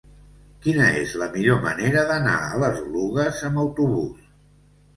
Quina és la millor manera d'anar a les Oluges amb autobús?